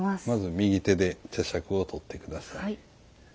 まず右手で茶杓を取って下さい。